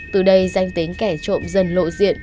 từ đây danh tính kẻ trộm dần lộ diện